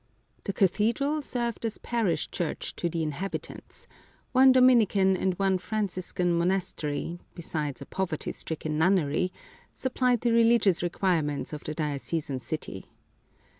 The cathedral served as parish church to the inhabitants : one Dominican and one Franciscan monastery, besides a poverty stricken nunnery, supplied the religious requirements of the diocesan city.